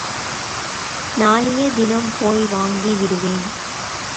நாளைய தினம் போய் வாங்கி விடுவேன்.